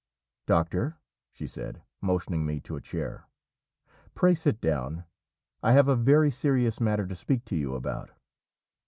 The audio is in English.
"Doctor," she said, motioning me to a chair, "pray sit down; I have a very serious matter to speak to you about."